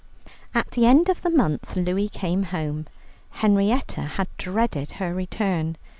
At the end of the month Louie came home. Henrietta had dreaded her return.